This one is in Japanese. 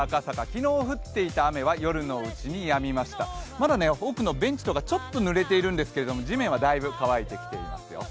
まだ奥のベンチとかちょっとぬれているんですけれども地面はだいぶ乾いてきていますよ。